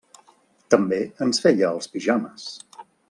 També ens feia els pijames.